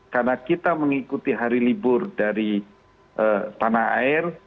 karena kita mengikuti hari libur dari tanah air